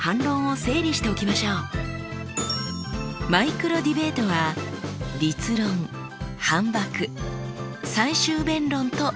マイクロディベートは立論反ばく最終弁論と進みます。